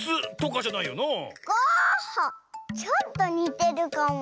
ちょっとにてるかも。